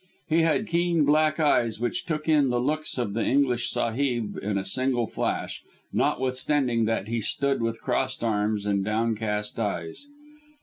He had keen, black eyes, which took in the looks of the English sahib in a single flash, notwithstanding that he stood with crossed arms and downcast eyes.